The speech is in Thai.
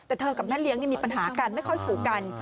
แต่เธอกับแม่เลี้ยงมีปัญหากันไม่ค่อยถูกกัน